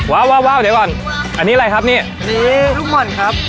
ว้าวเดี๋ยวก่อนอันนี้อะไรครับนี่อันนี้ลูกหม่อนครับ